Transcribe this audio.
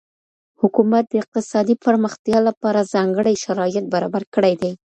حکومت د اقتصادي پرمختیا لپاره ځانګړي شرایط برابر کړي دي.